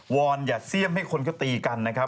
อนอย่าเสี่ยมให้คนก็ตีกันนะครับ